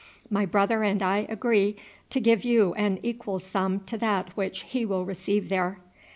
My brother and I agree to give you an equal sum to that which he will receive there."